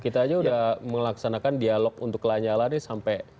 kita aja sudah melaksanakan dialog untuk kelahinan yang lain sampai